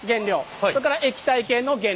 それから液体系の原料と。